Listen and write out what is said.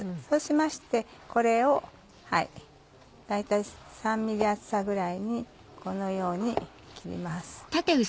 そうしましてこれを大体３ｍｍ厚さぐらいにこのように切ります。